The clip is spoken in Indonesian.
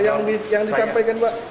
ada yang disampaikan